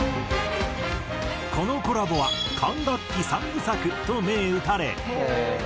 このコラボは「管楽器３部作」と銘打たれ。